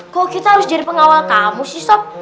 kok kita harus jadi pengawal kamu sih sop